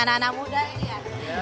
anak anak muda ini ya